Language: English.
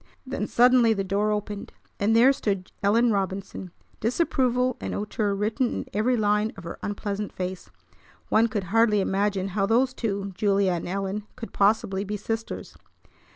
Then suddenly the door opened, and there stood Ellen Robinson, disapproval and hauteur written in every line of her unpleasant face! One could hardly imagine how those two, Julia and Ellen, could possibly be sisters.